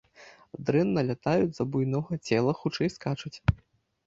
Дрэнна лятаюць з-за буйнога цела, хутчэй, скачуць.